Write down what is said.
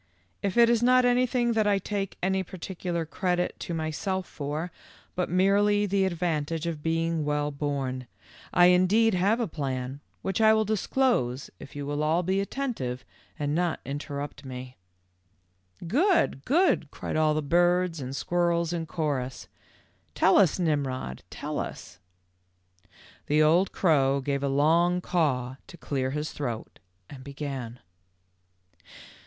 It is not anything that I take any particular credit to myself for, but merely the advantage of being well born. I indeed THE END OF BLACK LIGHTNING. 87 have a plan, which I will disclose if you will all be attentive and not interrupt me." n Good ! Good !" cried all the birds and squirrels in chorus. "Tell us, Nimrod; tell us." The old crow gave a long caw to clear his throat and began.